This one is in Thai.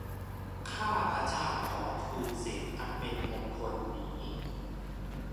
ข้าพเจ้าขอคืนเศษอันเป็นมงคลนี้